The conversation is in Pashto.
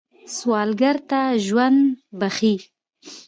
سوالګر ته ژوند بخښئ